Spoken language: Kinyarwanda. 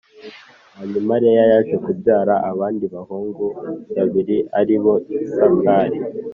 Hanyuma Leya yaje kubyara abandi bahungu babiri ari bo Isakari